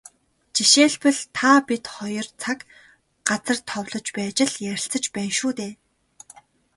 Жишээлбэл, та бид хоёр цаг, газар товлож байж л ярилцаж байна шүү дээ.